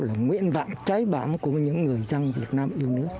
là nguyện vọng trái bản của những người dân việt nam yêu nước